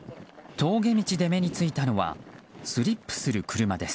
峠道で目についたのはスリップする車です。